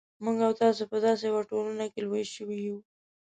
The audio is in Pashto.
موږ او تاسې په داسې یوه ټولنه کې لوی شوي یو.